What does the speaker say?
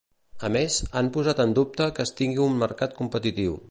A més, han posat en dubte que es tingui un mercat competitiu.